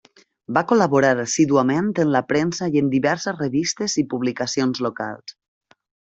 Va col·laborar assíduament en la premsa i en diverses revistes i publicacions locals.